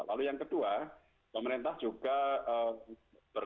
lalu yang kedua pemerintah juga berpen